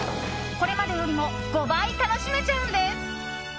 これまでよりも５倍楽しめちゃうんです。